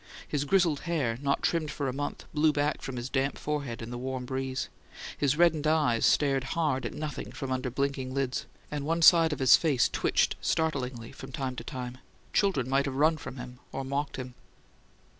His grizzled hair, not trimmed for a month, blew back from his damp forehead in the warm breeze; his reddened eyes stared hard at nothing from under blinking lids; and one side of his face twitched startlingly from time to time; children might have run from him, or mocked him.